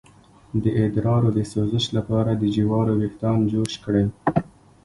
د ادرار د سوزش لپاره د جوارو ویښتان جوش کړئ